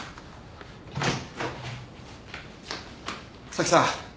咲さん。